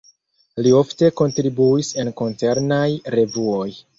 Li ofte kontribuis en koncernaj revuoj.